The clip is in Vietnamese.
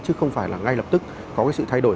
chứ không phải là ngay lập tức có cái sự thay đổi